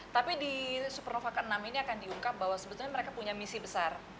tapi di supernova ke enam ini akan diungkap bahwa sebetulnya mereka punya misi besar